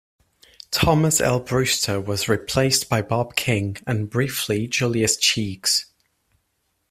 Thomas L. Breuster was replaced by Bob King and, briefly, Julius Cheeks.